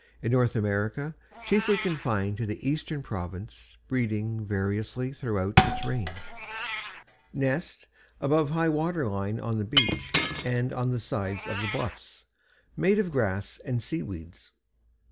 In North America chiefly confined to the eastern province, breeding variously throughout its range. NEST Above high water line on the beach and on the sides of the bluffs; made of grass and sea weeds.